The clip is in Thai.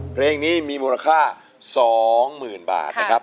เพลงนี้มีมูลค่าสองหมื่นบาทนะครับ